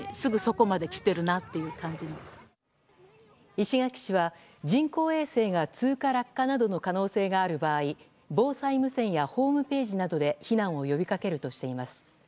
石垣市は人工衛星が通過・落下などの可能性がある場合防災無線やホームページなどで避難を呼びかけるとしています。